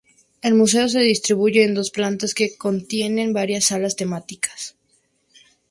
El museo se distribuye en dos plantas que contienen varias salas temáticas.